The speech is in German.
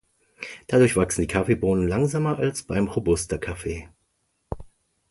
Dadurch wachsen die Kaffeebohnen langsamer als beim Robusta-Kaffee.